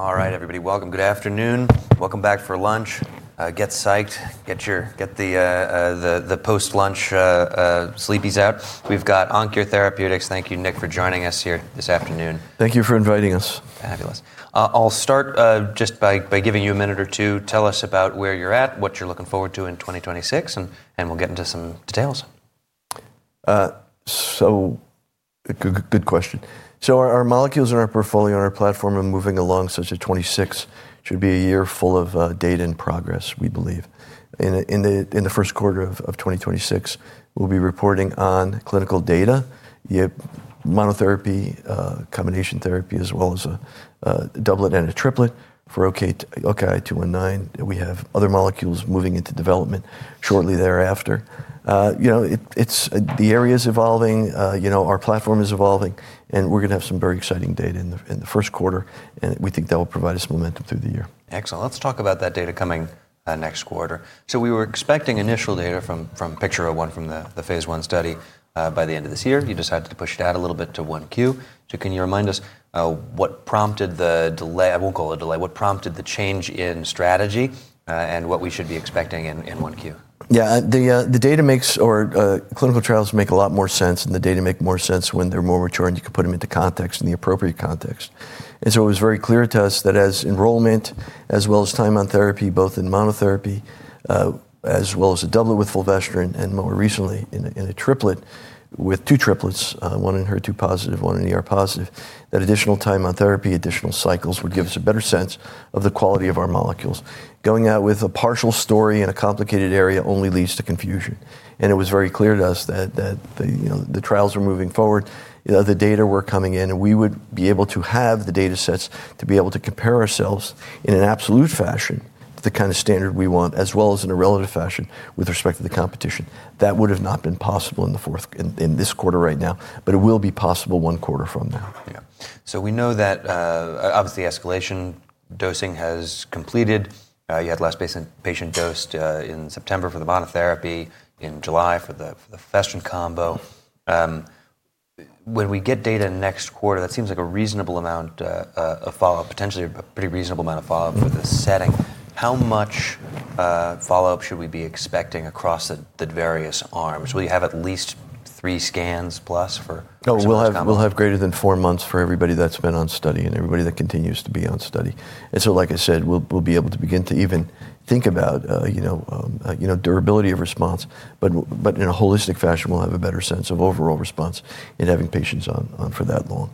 All right, everybody. Welcome. Good afternoon. Welcome back for lunch. Get psyched. Get the post-lunch sleepies out. We've got OnKure Therapeutics. Thank you, Nick, for joining us here this afternoon. Thank you for inviting us. Fabulous. I'll start just by giving you a minute or two. Tell us about where you're at, what you're looking forward to in 2026, and we'll get into some details. So, good question. Our molecules in our portfolio and our platform are moving along such that 2026 should be a year full of data and progress, we believe. In the first quarter of 2026, we'll be reporting on clinical data, monotherapy, combination therapy, as well as a doublet and a triplet for OKI-219. We have other molecules moving into development shortly thereafter. You know, the area is evolving. You know, our platform is evolving, and we're going to have some very exciting data in the first quarter, and we think that will provide us momentum through the year. Excellent. Let's talk about that data coming next quarter. So we were expecting initial data from PIKture-01, from the phase 1 study, by the end of this year. You decided to push it out a little bit to Q1. So can you remind us what prompted the delay? I won't call it a delay. What prompted the change in strategy and what we should be expecting in Q1? Yeah, the data or clinical trials make a lot more sense, and the data make more sense when they're more mature and you can put them into context and the appropriate context. So it was very clear to us that as enrollment, as well as time on therapy, both in monotherapy, as well as a doublet with fulvestrant, and more recently in a triplet with two triplets, one in HER2 positive, one in positive, that additional time on therapy, additional cycles would give us a better sense of the quality of our molecules. Going out with a partial story in a complicated area only leads to confusion. And it was very clear to us that the trials were moving forward, the data were coming in, and we would be able to have the data sets to be able to compare ourselves in an absolute fashion to the kind of standard we want, as well as in a relative fashion with respect to the competition. That would have not been possible in this quarter right now, but it will be possible one quarter from now. Yeah. So we know that, obviously, escalation dosing has completed. You had last patient dosed in September for the monotherapy, in July for the fulvestrant combo. When we get data next quarter, that seems like a reasonable amount of follow-up, potentially a pretty reasonable amount of follow-up for the setting. How much follow-up should we be expecting across the various arms? Will you have at least three scans plus for this combo? Oh, we'll have greater than four months for everybody that's been on study and everybody that continues to be on study. And so, like I said, we'll be able to begin to even think about durability of response, but in a holistic fashion, we'll have a better sense of overall response in having patients on for that long.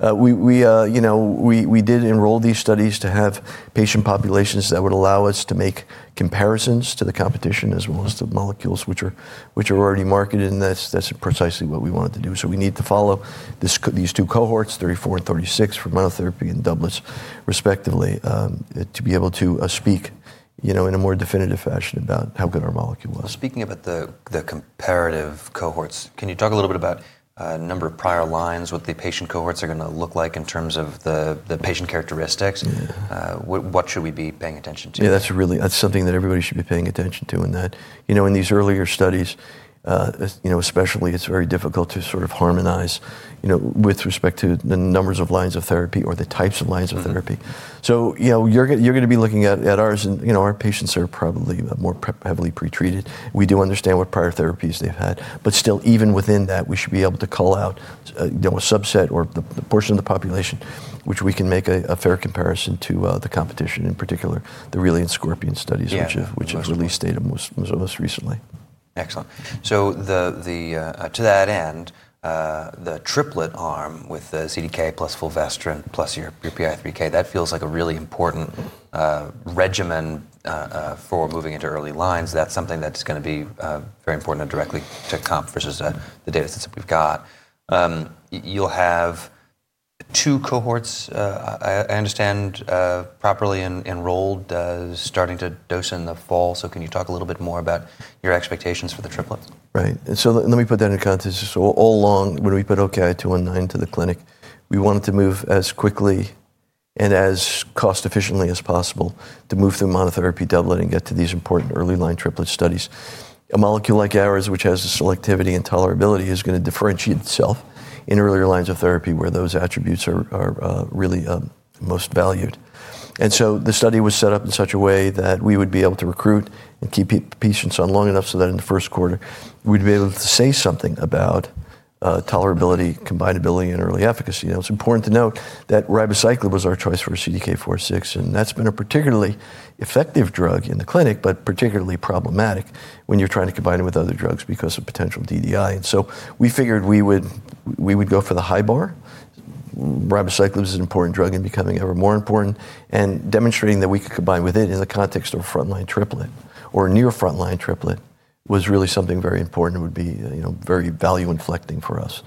We did enroll these studies to have patient populations that would allow us to make comparisons to the competition as well as the molecules which are already marketed, and that's precisely what we wanted to do. So we need to follow these two cohorts, 34 and 36, for monotherapy and doublets, respectively, to be able to speak in a more definitive fashion about how good our molecule was. Speaking about the comparative cohorts, can you talk a little bit about a number of prior lines, what the patient cohorts are going to look like in terms of the patient characteristics? What should we be paying attention to? Yeah, that's really something that everybody should be paying attention to in that, you know, in these earlier studies, especially. It's very difficult to sort of harmonize with respect to the numbers of lines of therapy or the types of lines of therapy. So you're going to be looking at ours, and our patients are probably more heavily pretreated. We do understand what prior therapies they've had, but still, even within that, we should be able to call out a subset or the portion of the population which we can make a fair comparison to the competition, in particular, the Relay Scorpion studies, which has released data most recently. Excellent. So to that end, the triplet arm with the CDK plus fulvestrant plus your PI3K, that feels like a really important regimen for moving into early lines. That's something that's going to be very important to directly comp versus the data sets that we've got. You'll have two cohorts, I understand, properly enrolled, starting to dose in the fall. So can you talk a little bit more about your expectations for the triplets? Right, and so let me put that in context. So all along, when we put OKI-219 to the clinic, we wanted to move as quickly and as cost-efficiently as possible to move through monotherapy, doublet, and get to these important early line triplet studies. A molecule like ours, which has the selectivity and tolerability, is going to differentiate itself in earlier lines of therapy where those attributes are really most valued, and so the study was set up in such a way that we would be able to recruit and keep patients on long enough so that in the first quarter, we'd be able to say something about tolerability, combinability, and early efficacy. Now, it's important to note that ribociclib was our choice for CDK4/6, and that's been a particularly effective drug in the clinic, but particularly problematic when you're trying to combine it with other drugs because of potential DDI, and so we figured we would go for the high bar. Ribociclib is an important drug in becoming ever more important, and demonstrating that we could combine with it in the context of a frontline triplet or near frontline triplet was really something very important and would be very value inflecting for us,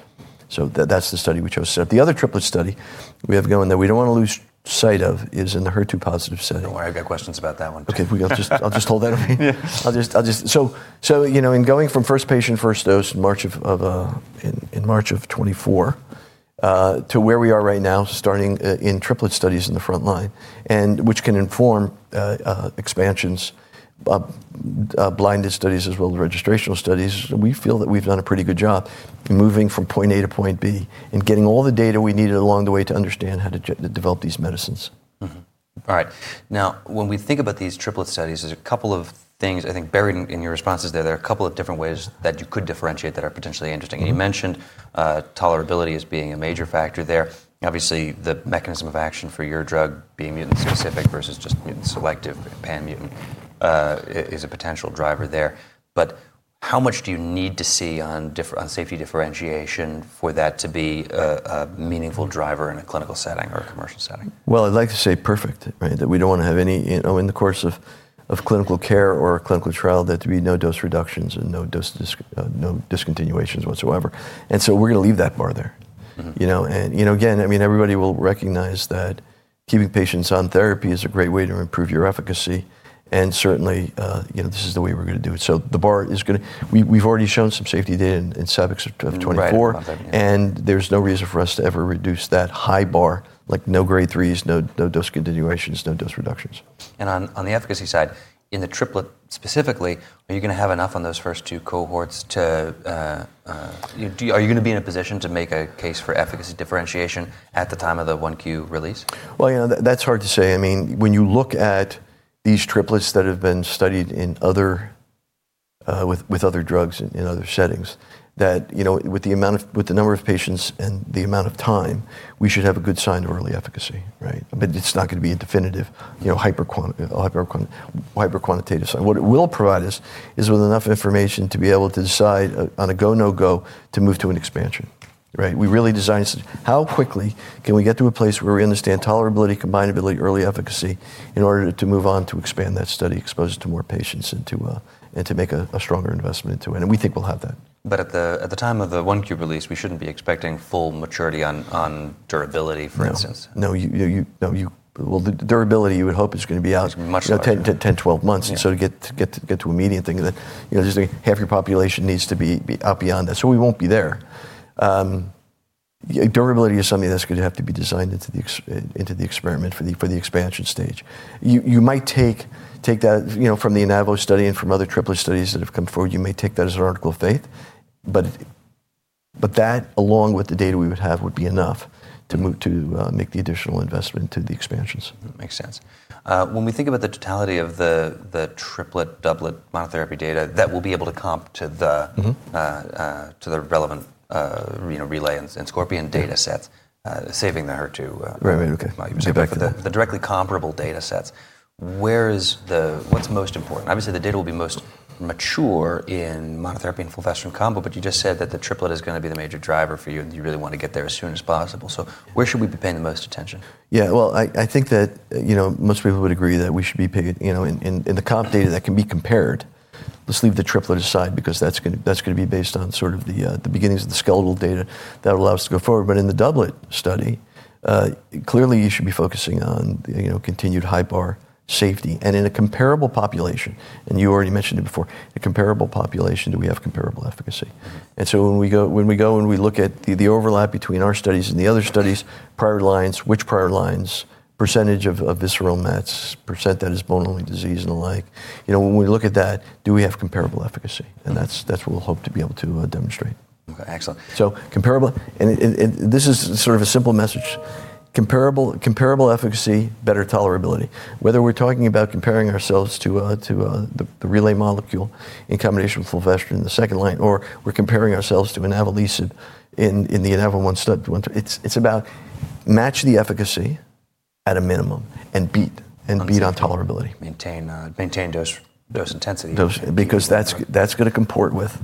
so that's the study we chose to set up. The other triplet study we have going that we don't want to lose sight of is in the HER2 positive setting. Don't worry. I've got questions about that one. Okay, I'll just hold that. In going from first patient, first dose in March of 2024 to where we are right now, starting in triplet studies in the frontline, which can inform expansions, blinded studies as well as registrational studies, we feel that we've done a pretty good job moving from point A to point B and getting all the data we needed along the way to understand how to develop these medicines. All right. Now, when we think about these triplet studies, there's a couple of things I think buried in your responses there. There are a couple of different ways that you could differentiate that are potentially interesting. And you mentioned tolerability as being a major factor there. Obviously, the mechanism of action for your drug being mutant specific versus just mutant selective, pan-mutant, is a potential driver there. But how much do you need to see on safety differentiation for that to be a meaningful driver in a clinical setting or a commercial setting? I'd like to say perfect, right, that we don't want to have any in the course of clinical care or clinical trial that there be no dose reductions and no discontinuations whatsoever. And so we're going to leave that bar there. And again, I mean, everybody will recognize that keeping patients on therapy is a great way to improve your efficacy, and certainly, this is the way we're going to do it. So the bar is going to. We've already shown some safety data in 24 subjects, and there's no reason for us to ever reduce that high bar, like no grade threes, no dose discontinuations, no dose reductions. On the efficacy side, in the triplet specifically, are you going to have enough on those first two cohorts to be in a position to make a case for efficacy differentiation at the time of the 1Q release? You know, that's hard to say. I mean, when you look at these triplets that have been studied with other drugs in other settings, that with the number of patients and the amount of time, we should have a good sign of early efficacy, right? But it's not going to be a definitive hyper-quantitative sign. What it will provide us is with enough information to be able to decide on a go, no go to move to an expansion, right? We really designed how quickly can we get to a place where we understand tolerability, combinability, early efficacy in order to move on to expand that study, expose it to more patients, and to make a stronger investment into it. We think we'll have that. But at the time of the 1Q release, we shouldn't be expecting full maturity on durability, for instance. No. Well, durability you would hope is going to be out 10, 12 months, and so to get to a median thing, half your population needs to be out beyond that, so we won't be there. Durability is something that's going to have to be designed into the experiment for the expansion stage. You might take that from the INAVO study and from other triplet studies that have come forward. You may take that as an article of faith, but that, along with the data we would have, would be enough to make the additional investment to the expansions. Makes sense. When we think about the totality of the triplet, doublet monotherapy data that will be able to comp to the relevant Relay and Scorpion data sets, saving the HER2. Right, right. The directly comparable data sets, what's most important? Obviously, the data will be most mature in monotherapy and fulvestrant combo, but you just said that the triplet is going to be the major driver for you, and you really want to get there as soon as possible. So where should we be paying the most attention? Yeah, well, I think that most people would agree that we should be in the comp data that can be compared. Let's leave the triplet aside because that's going to be based on sort of the beginnings of the skeletal data that will allow us to go forward. But in the doublet study, clearly, you should be focusing on continued high bar safety. And in a comparable population, and you already mentioned it before, in a comparable population, do we have comparable efficacy? And so when we go and we look at the overlap between our studies and the other studies, prior lines, which prior lines, percentage of visceral mets, percent that is bone-only disease and the like, when we look at that, do we have comparable efficacy? And that's what we'll hope to be able to demonstrate. Excellent. Comparable, and this is sort of a simple message. Comparable efficacy, better tolerability. Whether we're talking about comparing ourselves to the Relay molecule in combination with fulvestrant in the second line, or we're comparing ourselves to inavolisib in the INAVO-1 study, it's about match the efficacy at a minimum and beat on tolerability. Maintain dose intensity. Because that's going to comport with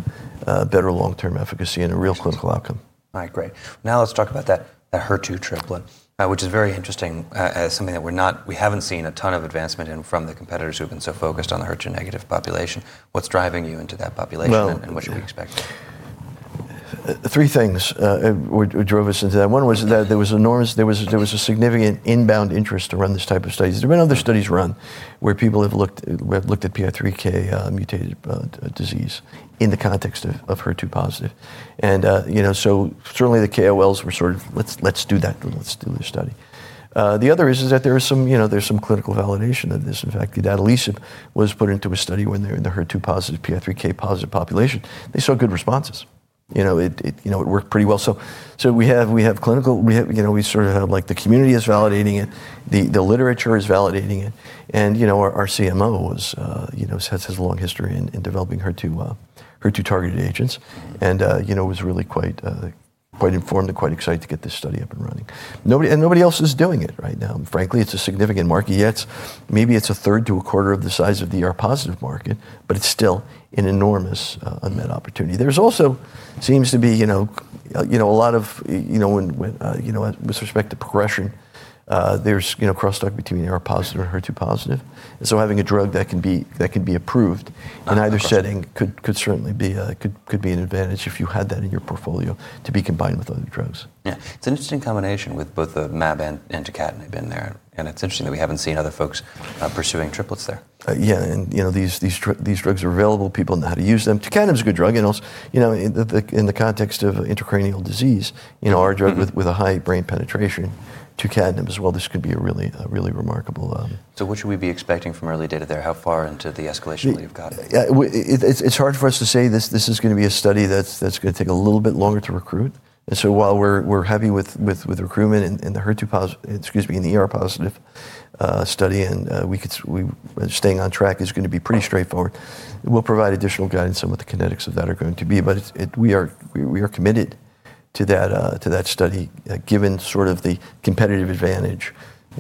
better long-term efficacy and a real clinical outcome. All right, great. Now let's talk about that HER2 triplet, which is very interesting, something that we haven't seen a ton of advancement in from the competitors who have been so focused on the HER2 negative population. What's driving you into that population and what should we expect? Three things drove us into that. One was that there was a significant inbound interest to run this type of studies. There have been other studies run where people have looked at PI3K mutated disease in the context of HER2 positive. And so certainly, the KOLs were sort of, let's do that, let's do this study. The other is that there's some clinical validation of this. In fact, the inavolisib was put into a study when they're in the HER2 positive, PI3K positive population. They saw good responses. It worked pretty well. So we have clinical, we sort of have like the community is validating it, the literature is validating it, and our CMO has a long history in developing HER2 targeted agents. And it was really quite informed and quite excited to get this study up and running. And nobody else is doing it right now. Frankly, it's a significant market. Maybe it's a third to a quarter of the size of the positive market, but it's still an enormous unmet opportunity. There also seems to be a lot of with respect to progression. There's crosstalk between positive and HER2 positive. And so having a drug that can be approved in either setting could certainly be an advantage if you had that in your portfolio to be combined with other drugs. Yeah. It's an interesting combination with both the mAb and tucatinib in there, and it's interesting that we haven't seen other folks pursuing triplets there. Yeah. And these drugs are available, people know how to use them. Tucatinib is a good drug. And in the context of intracranial disease, our drug with a high brain penetration, tucatinib as well, this could be a really remarkable. So what should we be expecting from early data there? How far into the escalation will you have gotten? Yeah. It's hard for us to say this is going to be a study that's going to take a little bit longer to recruit, and so while we're heavy with recruitment in the positive study, and staying on track is going to be pretty straightforward, we'll provide additional guidance on what the kinetics of that are going to be, but we are committed to that study given sort of the competitive advantage,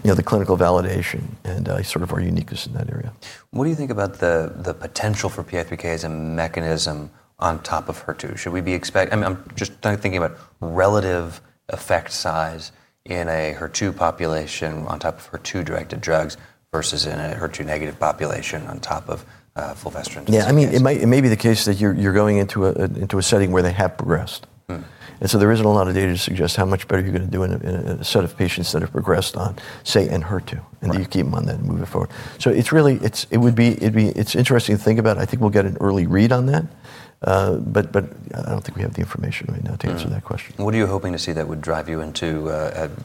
the clinical validation, and sort of our uniqueness in that area. What do you think about the potential for PI3K as a mechanism on top of HER2? Should we be expecting? I'm just thinking about relative effect size in a HER2 population on top of HER2 directed drugs versus in a HER2 negative population on top of fulvestrant? Yeah. I mean, it may be the case that you're going into a setting where they have progressed. And so there isn't a lot of data to suggest how much better you're going to do in a set of patients that have progressed on, say, an HER2, and you keep them on that and move it forward. So it's interesting to think about. I think we'll get an early read on that, but I don't think we have the information right now to answer that question. What are you hoping to see that would drive you into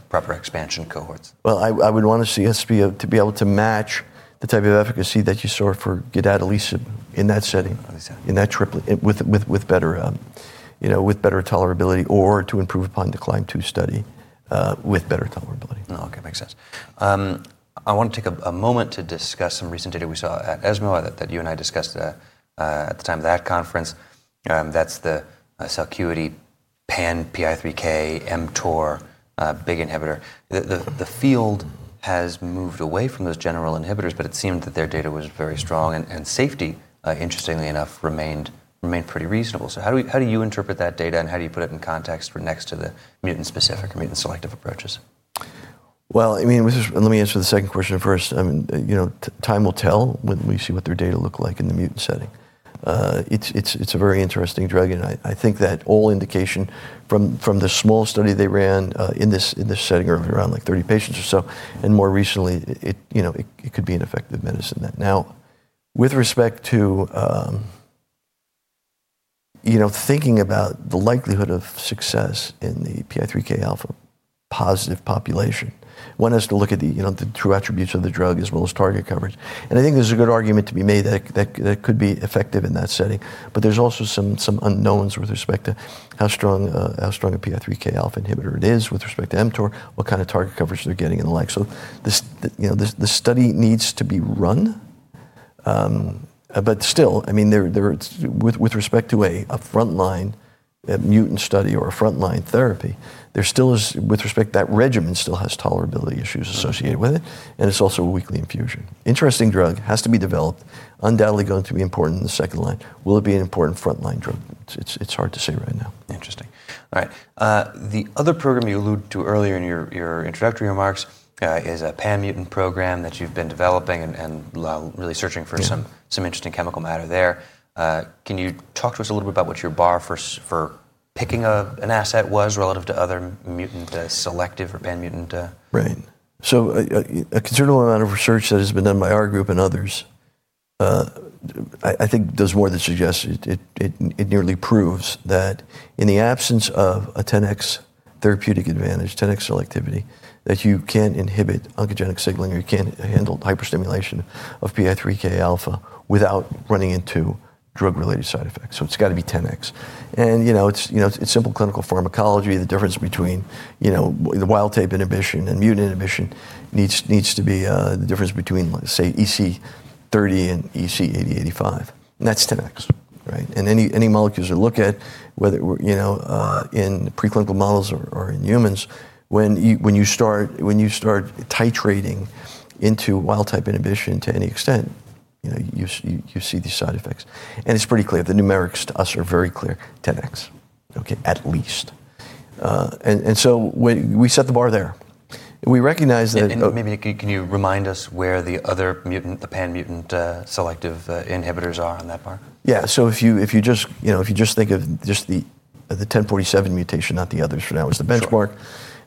proper expansion cohorts? I would want to see us to be able to match the type of efficacy that you saw for gedatolisib in that setting, in that triplet, with better tolerability or to improve upon HER2CLIMB-02 study with better tolerability. Okay, makes sense. I want to take a moment to discuss some recent data we saw at ESMO that you and I discussed at the time of that conference. That's the Celcuity pan-PI3K/mTOR inhibitor. The field has moved away from those general inhibitors, but it seemed that their data was very strong, and safety, interestingly enough, remained pretty reasonable. So how do you interpret that data and how do you put it in context next to the mutant specific or mutant selective approaches? I mean, let me answer the second question first. Time will tell when we see what their data look like in the mutant setting. It's a very interesting drug. And I think that all indication from the small study they ran in this setting earlier on, like 30 patients or so, and more recently, it could be an effective medicine. Now, with respect to thinking about the likelihood of success in the PI3K alpha positive population, one has to look at the true attributes of the drug as well as target coverage. And I think there's a good argument to be made that could be effective in that setting. But there's also some unknowns with respect to how strong a PI3K alpha inhibitor it is with respect to mTOR, what kind of target coverage they're getting, and the like. So the study needs to be run. But still, I mean, with respect to a frontline mutant study or a frontline therapy, with respect to that regimen still has tolerability issues associated with it. And it's also a weekly infusion. Interesting drug, has to be developed, undoubtedly going to be important in the second line. Will it be an important frontline drug? It's hard to say right now. Interesting. All right. The other program you alluded to earlier in your introductory remarks is a pan mutant program that you've been developing and really searching for some interesting chemical matter there. Can you talk to us a little bit about what your bar for picking an asset was relative to other mutant selective or pan mutant? Right. A considerable amount of research that has been done by our group and others, I think, does more than suggest. It nearly proves that in the absence of a 10x therapeutic advantage, 10x selectivity, that you can't inhibit oncogenic signaling or you can't handle hyperstimulation of PI3K alpha without running into drug-related side effects. It's got to be 10x. It's simple clinical pharmacology. The difference between the wild type inhibition and mutant inhibition needs to be the difference between, say, EC30 and EC80. That's 10x, right? Any molecules you look at, whether in preclinical models or in humans, when you start titrating into wild type inhibition to any extent, you see these side effects. It's pretty clear. The numerics to us are very clear, 10x, okay, at least. We set the bar there. We recognize that. Maybe can you remind us where the other mutant-selective, the pan-mutant selective inhibitors are on that bar? Yeah. So if you just think of just the H1047R mutation, not the others for now, is the benchmark.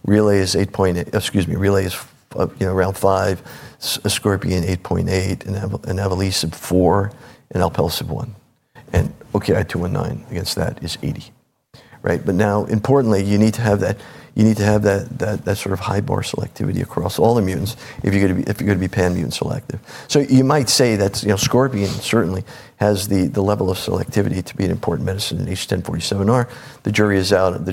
Relay is 8.8, excuse me, Relay is around 5, Scorpion 8.8, and inavolisib 4, and alpelisib 1. And OKI-219 against that is 80, right? But now, importantly, you need to have that sort of high bar selectivity across all the mutants if you're going to be pan-mutant selective. So you might say that Scorpion certainly has the level of selectivity to be an important medicine in H1047R. The jury is out on the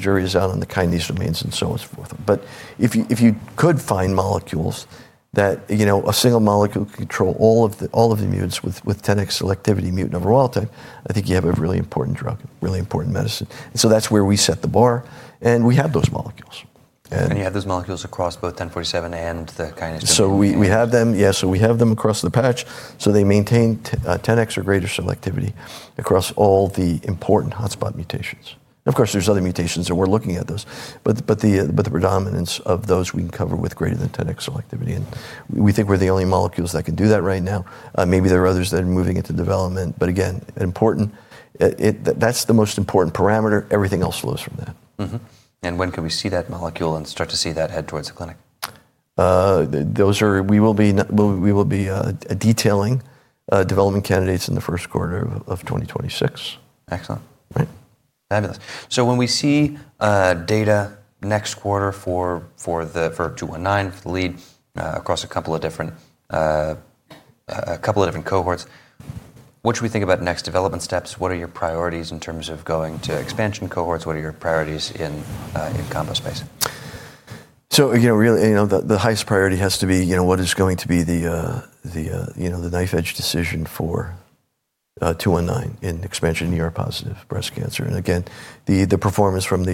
kinase domains, and so on and so forth. But if you could find molecules that a single molecule can control all of the mutants with 10x selectivity mutant over wild type, I think you have a really important drug, really important medicine. And so that's where we set the bar. And we have those molecules. You have those molecules across both H1047R and the kinase. So we have them, yeah. So we have them across the patch. So they maintain 10x or greater selectivity across all the important hotspot mutations. And of course, there's other mutations that we're looking at those. But the predominance of those we can cover with greater than 10x selectivity. And we think we're the only molecules that can do that right now. Maybe there are others that are moving into development. But again, important, that's the most important parameter. Everything else flows from that. When can we see that molecule and start to see that head towards the clinic? We will be detailing development candidates in the first quarter of 2026. Excellent. Right. Fabulous. So when we see data next quarter for OKI-219, the lead across a couple of different cohorts, what should we think about next development steps? What are your priorities in terms of going to expansion cohorts? What are your priorities in combo space? The highest priority has to be what is going to be the knife-edge decision for 219 in ER-positive breast cancer. And again, the performance in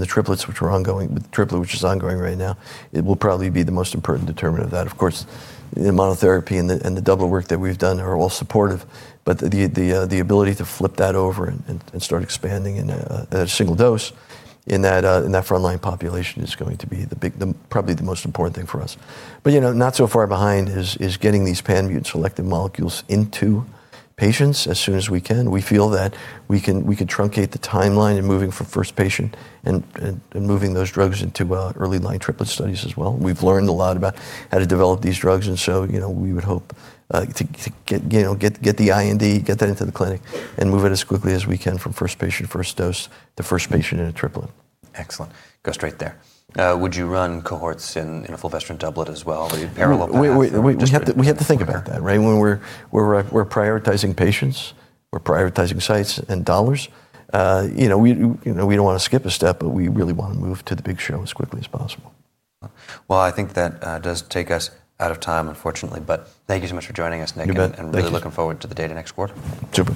the triplets, which are ongoing, the triplet, which is ongoing right now, it will probably be the most important determinant of that. Of course, the monotherapy and the doublet work that we've done are all supportive. But the ability to flip that over and start expanding at a single dose in that frontline population is going to be probably the most important thing for us. But not so far behind is getting these pan-mutant selective molecules into patients as soon as we can. We feel that we can truncate the timeline in moving from first patient and moving those drugs into early-line triplet studies as well. We've learned a lot about how to develop these drugs. And so we would hope to get the IND, get that into the clinic, and move it as quickly as we can from first patient, first dose to first patient in a triplet. Excellent. Go straight there. Would you run cohorts in a fulvestrant doublet as well? Are you parallel planning? We have to think about that, right? When we're prioritizing patients, we're prioritizing sites and dollars. We don't want to skip a step, but we really want to move to the big show as quickly as possible. Well, I think that does take us out of time, unfortunately. But thank you so much for joining us, Nick. You bet. Really looking forward to the data next quarter. You too.